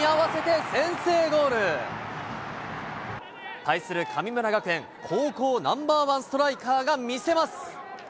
対する神村学園、高校ナンバーワンストライカーが見せます。